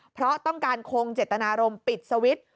เพราะต้องการคงเจตนารมณ์ปิดสวิตช์